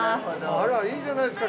◆あら、いいじゃないですか